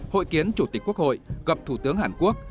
hội kiến chủ tịch quốc hội gặp thủ tướng hàn quốc